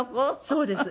そうです。